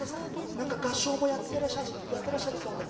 合唱もやってらっしゃるそうで。